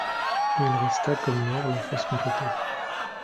et il resta comme mort la face contre terre.